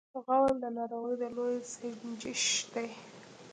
غول د ناروغۍ د لوری سنجش دی.